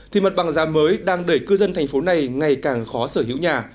thì mặt bằng giá mới đang để cư dân thành phố này ngày càng khó sở hữu nhà